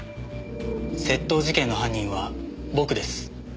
窃盗事件の犯人は僕です。